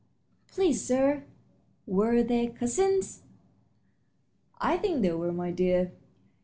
"Please, sir, were they cousins?" "I think they were, my dear.